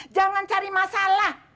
jangan cari masalah